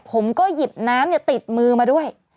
ผมก็หยิบน้ำติดมือมาด้วย